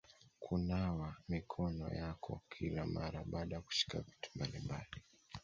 Kunawa mikono yako kila mara baada ya kushika vitu mbalimbali